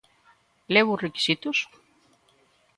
¿Leu os requisitos?